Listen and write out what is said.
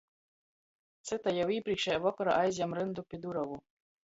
Cyta jau īprīkšejā vokorā aizjam ryndu pi durovu.